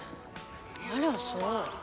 あらそう。